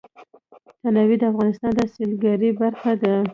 تنوع د افغانستان د سیلګرۍ برخه ده.